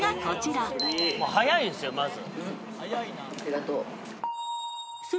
早いんですよまず。